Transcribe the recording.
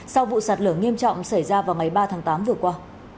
sau vụ sạt lở nghiêm trọng xảy ra vào ngày ba tháng tám vừa qua